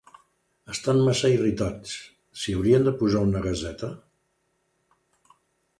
Estan massa irritats: s’hi haurien de posar una gaseta?